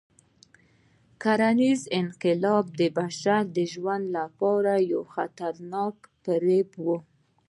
کرنيز انقلاب د بشري ژوند لپاره یو خطرناک فریب و.